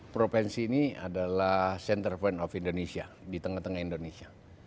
provinsi ini adalah center point of indonesia tanggal koordinat di tengah tengah indonesia